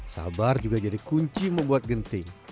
sabar juga jadi kunci membuat genting